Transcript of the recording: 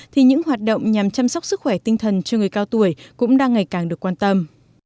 thì những hoạt động nhằm chăm sóc sức khỏe tinh thần cho người cao tuổi cũng đang ngày càng được quan tâm